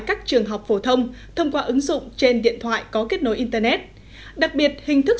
các trường học phổ thông thông qua ứng dụng trên điện thoại có kết nối internet đặc biệt hình thức